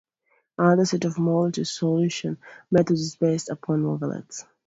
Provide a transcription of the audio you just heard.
Another set of multiresolution methods is based upon wavelets.